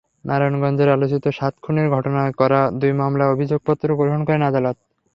নারায়ণগঞ্জের আলোচিত সাত খুনের ঘটনায় করা দুই মামলার অভিযোগপত্র গ্রহণ করেছেন আদালত।